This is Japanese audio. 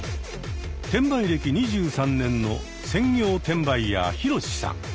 転売歴２３年の専業転売ヤーヒロシさん。